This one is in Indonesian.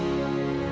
yaudah gue balik ya